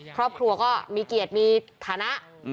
ครอบครัวก็มีเกียรติมีฐานะ